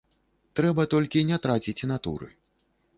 Трэба толькі не траціць натуры.